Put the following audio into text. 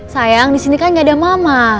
sayang di sini kan gak ada mama